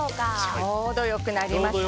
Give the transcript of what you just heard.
ちょうど良くなりました。